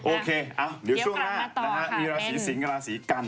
โอเคเอาเดี๋ยวช่วงหน้ามีราศีสิงค์ราศีกรรม